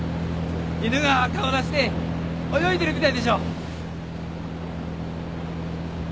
犬が顔出して泳いでるみたいでしょう？